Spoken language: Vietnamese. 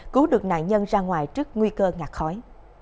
cứu được nạn nhân ra ngoài trước nguy cơ ngạc khói